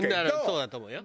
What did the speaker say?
そうだと思うよ。